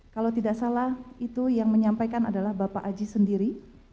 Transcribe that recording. kalau tidak salah itu yang menyampaikan adalah bapak aji sendiri